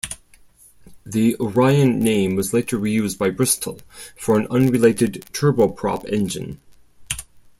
The "Orion" name was later re-used by Bristol for an unrelated turboprop engine.